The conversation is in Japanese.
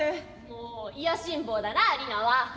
「もう卑しん坊だなリナは」。